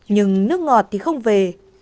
nhưng nước ngọt thì không về